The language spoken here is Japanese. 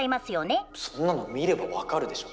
そんなの見れば分かるでしょ。